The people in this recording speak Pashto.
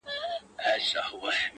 ماته زارۍ كوي چي پرېميږده ه ياره.